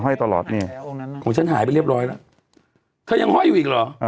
ห้อยตลอดนี่ของฉันหายไปเรียบร้อยแล้วเธอยังห้อยอยู่อีกเหรอ